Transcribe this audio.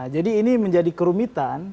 jadi ini menjadi kerumitan